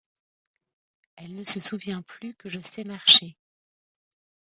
Elle ne se souvient plus que je sais marcher.